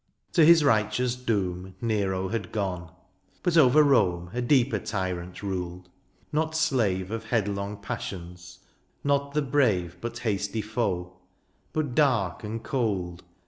To his righteous doom Nero had gone, but over Rome A deeper tjnrant ruled ; not slave Of headlong passions, not the brave But hasty foe ; but dark and cold.